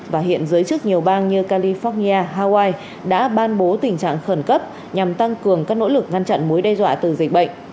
và hiện giới chức nhiều bang như california hawaii đã ban bố tình trạng khẩn cấp nhằm tăng cường các nỗ lực ngăn chặn mối đe dọa từ dịch bệnh